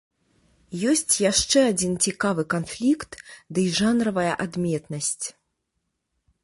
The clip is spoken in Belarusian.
Ёсць яшчэ адзін цікавы канфлікт дый жанравая адметнасць.